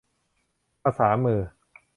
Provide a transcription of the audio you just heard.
ภาษามือ